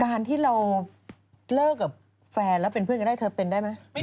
การที่เราเลิกกับแฟนแล้วเป็นเพื่อนกันได้เธอเป็นได้ไหม